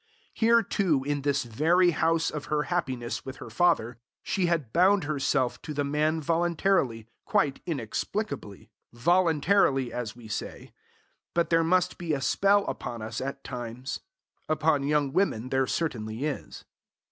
Here, too, in this very house of her happiness with her father, she had bound herself to the man voluntarily, quite inexplicably. Voluntarily, as we say. But there must be a spell upon us at times. Upon young women there certainly is.